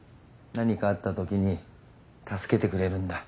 何かあったときに助けてくれるんだ。